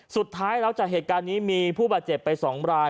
สุดท้ายแล้วจากเหตุการณ์นี้มีผู้บาดเจ็บไป๒ราย